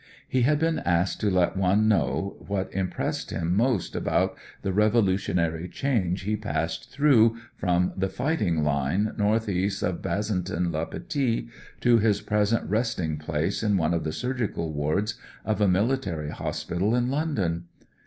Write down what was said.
He had been asked to let one know what impressed him most about the revolutionary change he passed through from the fighting line, north east of Bazentin le Petit, to his pre sent resting place in one of the surgical wards of a military hospital in London.